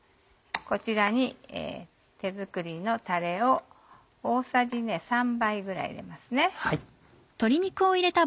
こちらに手作りのたれを大さじ３杯ぐらい入れます。